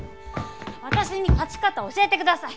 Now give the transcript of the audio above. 私に勝ち方を教えてください。